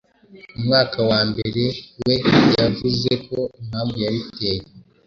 umwaka wa mbere. We yavuze ko impamvu yabiteye